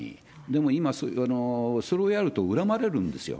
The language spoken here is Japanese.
でも、今それをやると恨まれるんですよ。